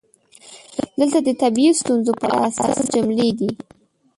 دلته د طبیعي ستونزو په اړه سل جملې دي: